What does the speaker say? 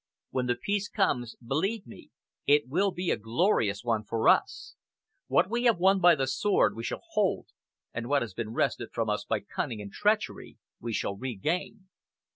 When the peace comes, believe me, it will be a glorious one for us. What we have won by the sword we shall hold, and what has been wrested from us by cunning and treachery, we shall regain.